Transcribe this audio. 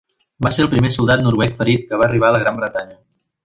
Va ser el primer soldat noruec ferit que va arribar a la Gran Bretanya.